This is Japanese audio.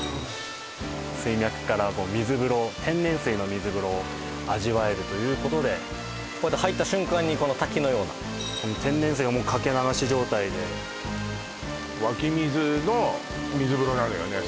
水脈から水風呂天然水の水風呂を味わえるということでこうやって入った瞬間にこの滝のような天然水が掛け流し状態で湧き水の水風呂なのよね